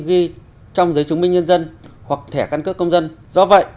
ghi trong giấy chứng minh nhân dân hoặc thẻ căn cước công dân do vậy